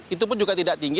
itu pun juga tidak tinggi